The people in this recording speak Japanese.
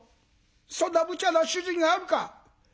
そんなむちゃな主人があるか！」。